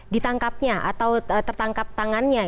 ditangkapnya atau tertangkap tangannya